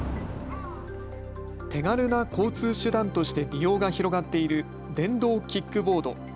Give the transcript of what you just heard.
手軽な交通として利用が広がっている電動キックボード。